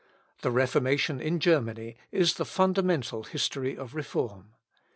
The Reformation in Germany is the fundamental history of reform.